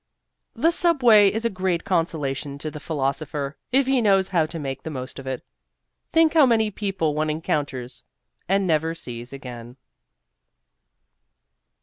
The subway is a great consolation to the philosopher if he knows how to make the most of it. Think how many people one encounters and never sees again.